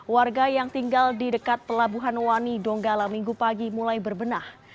warga yang tinggal di dekat pelabuhan wani donggala minggu pagi mulai berbenah